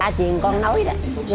ba chị con nói đó